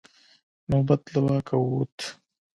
نوبت له واکه ووت.